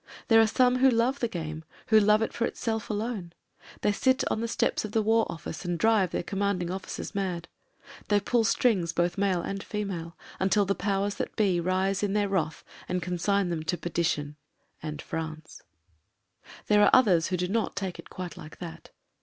There are some who love the game — who love it for itself alone. They sit on the steps of the War Office, and drive their C.O.'s mad: they pull strings both male and female, until the powers that be rise in their wrath, and consign them to perdition and — France. 248 MEN, WOMEN AND GUNS There are others who do not take it quite like that.